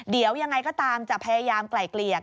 เดี๋ยวยังไงก็ตามจะพยายามไกล่เกลี่ย